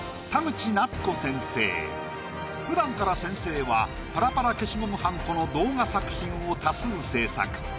普段から先生はパラパラ消しゴムはんこの動画作品を多数制作。